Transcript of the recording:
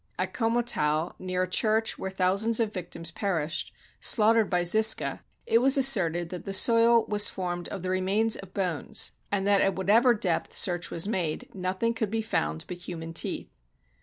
At Commotau, near a church where thousands of victims perished, slaugh tered by Zisca, it was asserted that the soil was formed of the remains of bones, and that at whatever depth search was made, nothing could be found but human teeth."